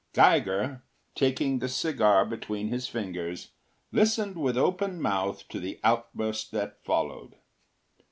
Geiger, taking the cigar between his fingers, listened with open mouth to the outburst that followed.